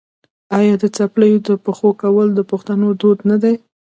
آیا د څپلیو په پښو کول د پښتنو دود نه دی؟